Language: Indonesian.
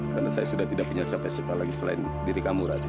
karena saya sudah tidak punya siapa siapa lagi selain diri kamu ratih